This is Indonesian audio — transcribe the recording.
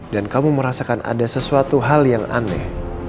dan kamu merasakan ada sesuatu hal yang aneh